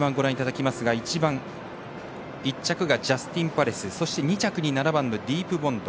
１着がジャスティンパレス２着に７番ディープボンド